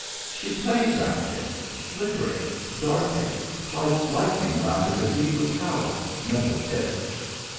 She played round him, flickering, darting, like lightning round a cathedral tower, metal tipped.